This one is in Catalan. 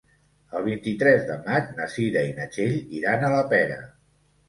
El vint-i-tres de maig na Cira i na Txell iran a la Pera.